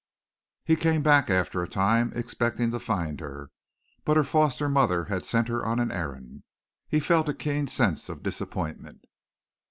He came back after a time expecting to find her, but her foster mother had sent her on an errand. He felt a keen sense of disappointment.